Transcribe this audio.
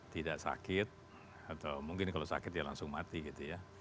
tidak sakit atau mungkin kalau sakit ya langsung mati gitu ya